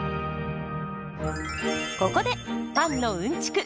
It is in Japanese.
ここでパンのうんちく